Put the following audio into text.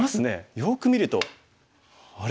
よく見るとあれ？